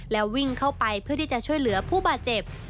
แล้ววิ่งเข้าไปเพื่อที่จะช่วยเหลือผู้บาดเจ็บ